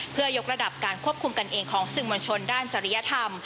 เพื่อยกระดับการควบคุมกันเองของสื่อมวลชนด้านจริยธรรม